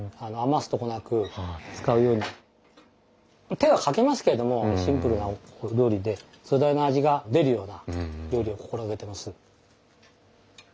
手はかけますけれどもシンプルなお料理で素材の味が出るような料理を心がけてます。